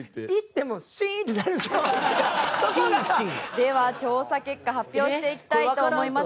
では調査結果発表していきたいと思います。